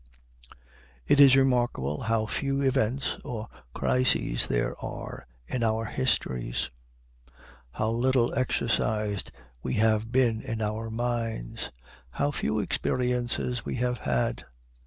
It is remarkable how few events or crises there are in our histories; how little exercised we have been in our minds; how few experiences we have had.